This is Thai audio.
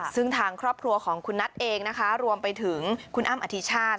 ซึ่งทางครอบครัวของคุณนัทเองนะคะรวมไปถึงคุณอ้ำอธิชาติ